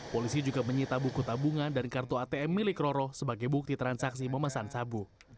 polisi juga menyita buku tabungan dan kartu atm milik roro sebagai bukti transaksi memesan sabu